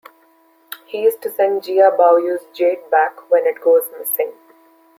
He is to send Jia Baoyu's jade back when it goes missing.